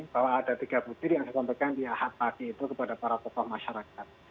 bahwa ada tiga butir yang saya sampaikan di ahad tadi itu kepada para tokoh masyarakat